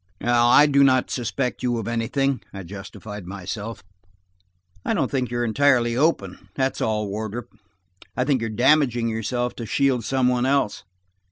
"I do not suspect you of anything," I justified myself. "I don't think you are entirely open, that is all, Wardrop. I think you are damaging yourself to shield some one else."